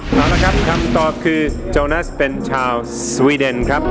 เอาละครับคำตอบคือโจนัสเป็นชาวสวีเดนครับ